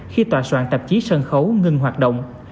khi tòa soạn tạp chí sân khấu ngừng hoạt động